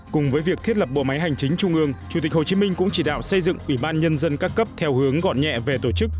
cùng với việc thiết lập bộ máy hành chính trung ương chủ tịch hồ chí minh cũng chỉ đạo xây dựng ủy ban nhân dân các cấp theo hướng gọn nhẹ về tổ chức